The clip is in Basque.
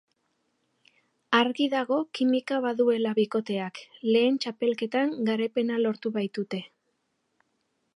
Argi dago kimika baduela bikoteak lehen txapelketan garaipena lortu baitute.